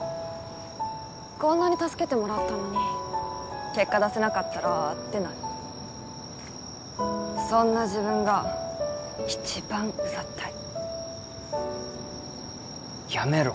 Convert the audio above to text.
こんなに助けてもらったのに結果出せなかったらってなるそんな自分が一番うざったいやめろ